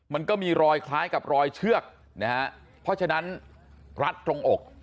มันก็มีรอยคล้ายกับรอยเชือกนะฮะเพราะฉะนั้นรัดตรงอก